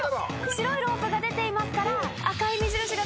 白いロープが出ていますから。